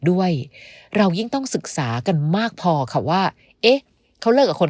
ด้วยเรายิ่งต้องศึกษากันมากพอค่ะว่าเอ๊ะเขาเลิกกับคน